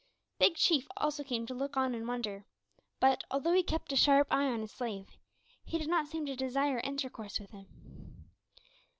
Big Chief also came to look on and wonder, but, although he kept a sharp eye on his slave, he did not seem to desire intercourse with him.